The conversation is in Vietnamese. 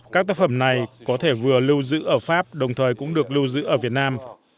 các tác phẩm này có thể vừa lưu giữ ở pháp đồng thời cũng được lưu giữ ở việt nam